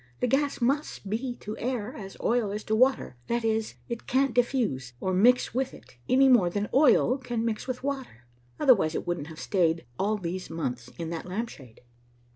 The gas must be to air as oil is to water, that is, it can't diffuse or mix with it, any more than oil can mix with water. Otherwise it wouldn't have stayed all these months in the lamp shade."